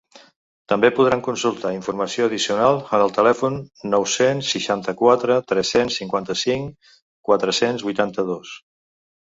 També podran consultar informació addicional en el telèfon nou-cents seixanta-quatre tres-cents cinquanta-cinc quatre-cents vuitanta-dos.